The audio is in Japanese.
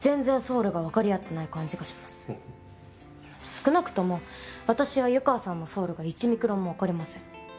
少なくとも私は湯川さんのソウルが１ミクロンもわかりません。